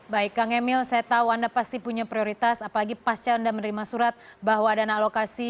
baik kang emil saya tahu anda pasti punya prioritas apalagi pasca anda menerima surat bahwa dana alokasi